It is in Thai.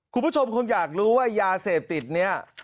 คุณผู้ชมคงอยากรู้ว่ายาเสพติดนี้